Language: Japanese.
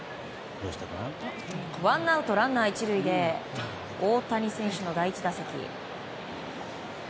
ワンアウト、ランナー１塁で大谷選手の第１打席。